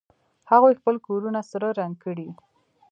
هغوی خپل کورونه سره رنګ کړي